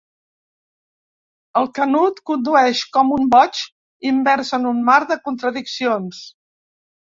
El Canut condueix com un boig, immers en un mar de contradiccions.